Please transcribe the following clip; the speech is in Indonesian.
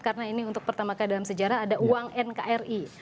karena ini untuk pertama kali dalam sejarah ada uang nkri